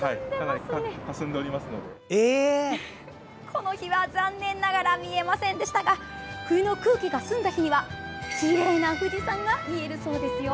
この日は残念ながら見えませんでしたが冬の空気が澄んだ日にはきれいな富士山が見えるそうですよ。